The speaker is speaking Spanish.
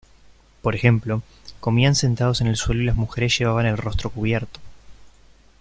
Por ejemplo, comían sentados en el suelo y las mujeres llevaban el rostro cubierto.